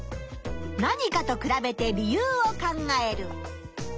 何かと比べて理由を考える。